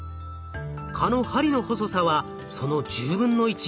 蚊の針の細さはその１０分の１。